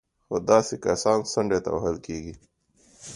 خو داسې کسان څنډې ته وهل کېږي